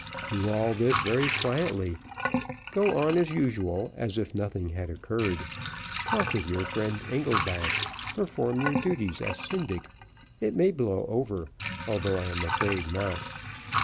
Do all this very quietly. Go on, as usual, as if nothing had occurred talk with your friend Engelback perform your duties as syndic. It may blow over, although I am afraid not.